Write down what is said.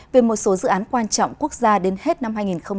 về một số dự án quan trọng quốc gia đến hết năm hai nghìn hai mươi